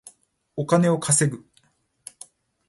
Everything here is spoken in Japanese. お金を稼ぐ